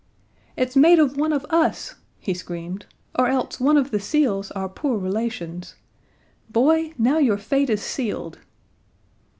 "It's made of one of us," he screamed, "or else one of the seals, our poor relations. Boy, now your fate is sealed!"